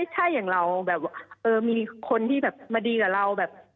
ถ้าอย่างเรามีคนที่มาดีกับเรา